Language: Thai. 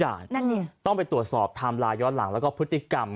ด่านั่นเนี่ยต้องไปตรวจสอบทำลายย้อนหลังแล้วก็พฤติกรรม